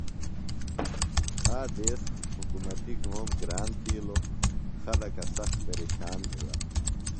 آ دیس حُکمتیۡ گھوم گران تِھیلوۡ۔ خلکہ سخت پیرشان بِھلہ۔